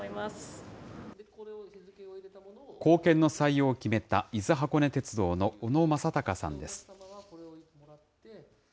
硬券の採用を決めた伊豆箱根鉄道の小野正貴さんです。